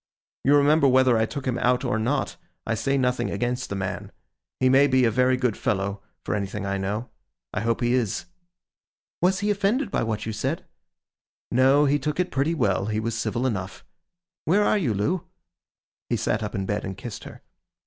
You remember whether I took him out or not. I say nothing against the man; he may be a very good fellow, for anything I know; I hope he is.' 'Was he offended by what you said?' 'No, he took it pretty well; he was civil enough. Where are you, Loo?' He sat up in bed and kissed her.